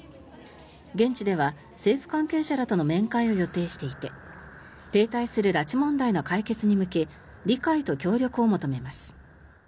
現地では政府関係者らとの面会を予定していて停滞する拉致問題の解決に向け理解と協力を求めます。